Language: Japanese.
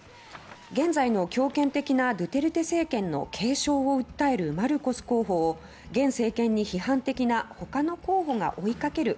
現在の強権的なドゥテルテ政権の継承を訴えるマルコス候補を現政権に批判的な他の候補が追いかける